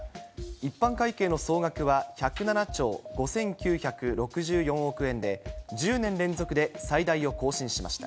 一般会計の総額は、１０７兆５９６４億円で、１０年連続で最大を更新しました。